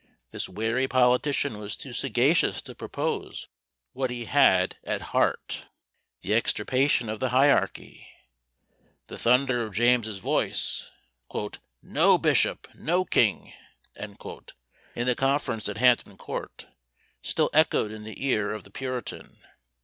This wary politician was too sagacious to propose what he had at heart the extirpation of the hierarchy! The thunder of James's voice, "No bishop! no king!" in the conference at Hampton Court, still echoed in the ear of the puritan.